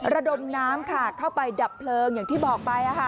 ระดมน้ำค่ะเข้าไปดับเพลิงอย่างที่บอกไป